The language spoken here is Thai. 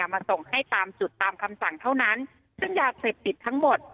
มาส่งให้ตามจุดตามคำสั่งเท่านั้นซึ่งยาเสพติดทั้งหมด